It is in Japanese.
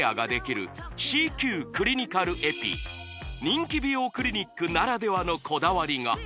人気美容クリニックならではのこだわりが！